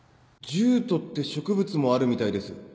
ジュートって植物もあるみたいです